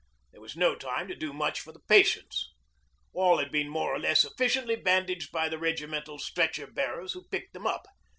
There was no time to do much for the patients. All had been more or less efficiently bandaged by the regimental stretcher bearers who picked them up.